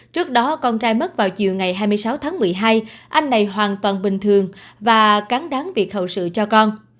trước đó con trai mất vào chiều ngày hai mươi sáu tháng một mươi hai anh này hoàn toàn bình thường và cán đáng việc hậu sự cho con